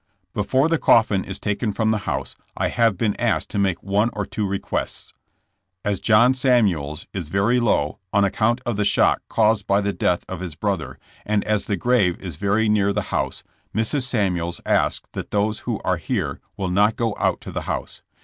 Before the coffin is taken from the house, I have been asked to make one or two requests. As John Samuels is very low on account of the shock caused by the death of his brother, and as the grave is very near the house, Mrs. Samuels asks that those who are here will not go out to the house.